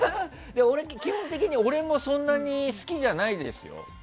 基本的に俺もそんなに好きじゃないですよ。